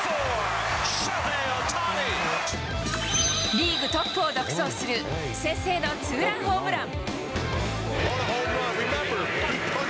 リーグトップを独走する、先制のツーランホームラン。